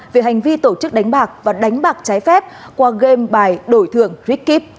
về hành vi tổ chức đánh bạc và đánh bạc trái phép qua game bài đổi thường rick kíp